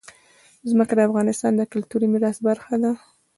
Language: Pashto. ځمکه د افغانستان د کلتوري میراث برخه ده.